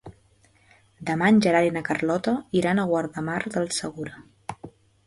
Demà en Gerard i na Carlota iran a Guardamar del Segura.